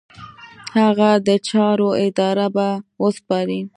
هغه د چارو اداره به وسپاري.